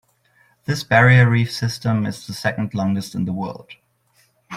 This barrier reef system is the second longest in the world.